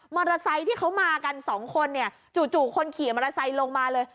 มอเตอร์ไซต์ที่เขามากันสองคนเนี่ยจู่คนขี่มอเตอร์ไซต์ลงมาเลย